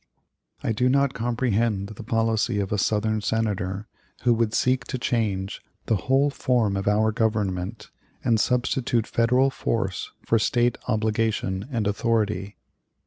"I do not comprehend the policy of a Southern Senator who would seek to change the whole form of our Government, and substitute Federal force for State obligation and authority.